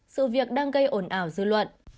sự việc đang gây ổn ảo dư luận